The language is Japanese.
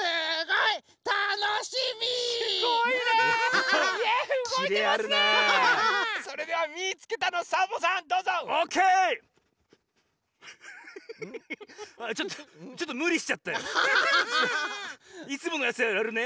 いつものやつやるね。